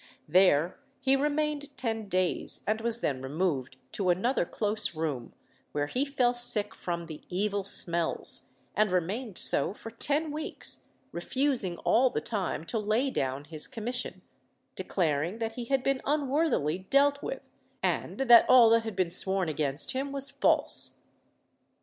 There he remained ten days, and was then removed to another close room, where he fell sick from the "evil smells," and remained so for ten weeks, refusing all the time to lay down his commission, declaring that he had been unworthily dealt with, and that all that had been sworn against him was false.